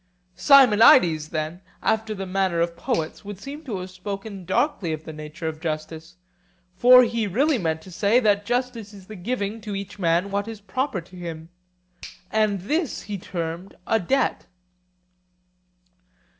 Simonides, then, after the manner of poets, would seem to have spoken darkly of the nature of justice; for he really meant to say that justice is the giving to each man what is proper to him, and this he termed a debt.